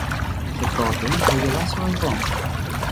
Και τότε θα γελάσω εγώ.